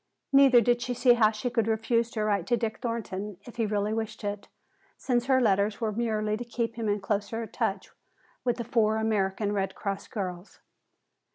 Neither did she see how she could refuse to write to Dick Thornton if he really wished it, since her letters were merely to keep him in closer touch with the four American Red Cross girls.